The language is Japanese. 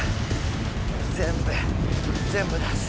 全部全部出す。